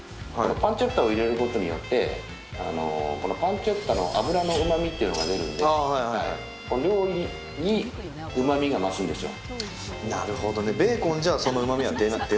パンチェッタを入れることによってパンチェッタの脂のうまみが出るので料理にうまみが増すんですよ。